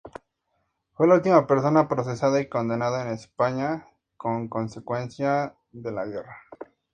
Fue la última persona procesada y condenada en España como consecuencia de la guerra.